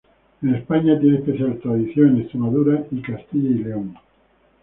En España tiene especial tradición en Extremadura y Castilla y León.